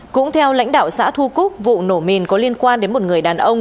cũng theo lãnh đạo xã thu cúc vụ nổ mìn có liên quan đến một người đàn ông